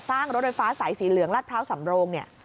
สร้างรถไฟฟ้าสายสีเหลืองลาดพร้าวสำโรง